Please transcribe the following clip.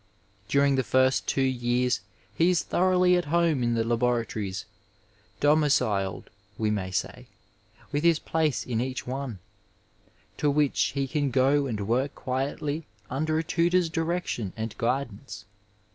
During the first two years, he is thoroughly at home in the laboratories, domiciled, we may say, with his place in each one, to which he can go and work quietly under a tutor's direction and guidance.